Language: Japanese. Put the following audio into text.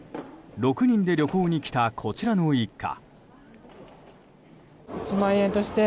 ６人で旅行に来たこちらの一家。